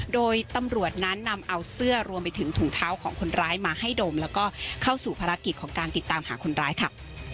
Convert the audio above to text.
โดยตำรวจนั้นนำเอาเสื้อรวมไปถึงถุงเท้าของคนร้ายมาให้ดมแล้วก็เข้าสู่ภารกิจของการติดตามหาคนร้ายค่ะ